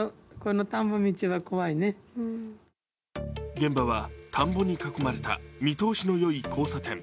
現場は田んぼに囲まれた見通しの良い交差点。